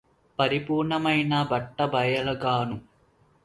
పరిపూర్ణమై బట్టబయలుగాను